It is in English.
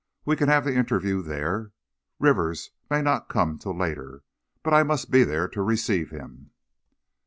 We can have the interview there; Rivers may not come till later, but I must be there to receive him."